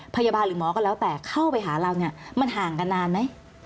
หรือหมอก็แล้วแต่เข้าไปหาเราเนี่ยมันห่างกันนานไหม